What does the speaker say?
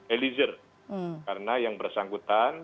eliezer karena yang bersangkutan